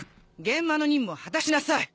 現場の任務を果たしなさい。